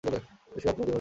বিশ্বকাপ পুরো জমে উঠেছে।